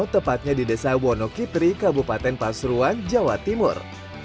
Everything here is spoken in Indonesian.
tepatnya di desa wonokitri kabupaten pasuruan jawa timur